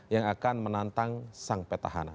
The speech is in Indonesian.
yang akan menantang sang petahana